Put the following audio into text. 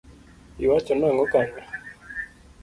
Iwacho nango kanyo.